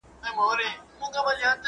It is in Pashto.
د خپل عمل حساب د هر چا سره سي نه